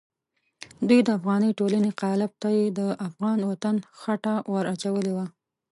دوی د افغاني ټولنې قالب ته یې د افغان وطن خټه ور اچولې وه.